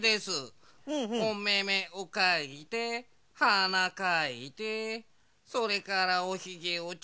おめめをかいてはなかいてそれからおひげをチョンチョンと。